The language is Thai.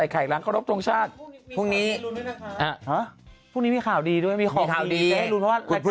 อีบ้างานพระดำใช่ไหมเยอะ